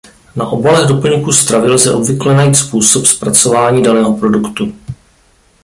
Na obalech doplňků stravy lze obvykle najít způsob zpracování daného produktu.